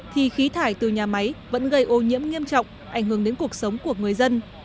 thì khí thải từ nhà máy vẫn gây ô nhiễm nghiêm trọng ảnh hưởng đến cuộc sống của người dân